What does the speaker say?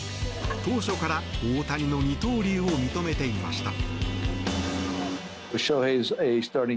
当初から大谷の二刀流を認めていました。